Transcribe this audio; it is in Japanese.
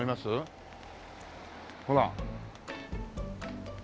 ほら。